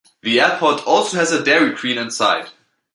The airport also has a Dairy Queen inside.